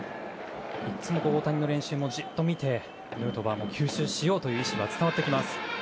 いつも大谷の練習をじっと見てヌートバーも吸収しようという意思が伝わってきます。